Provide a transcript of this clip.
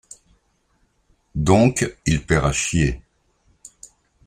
Doncques il payera chier.